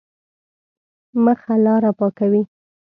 مخه لاره پاکوي.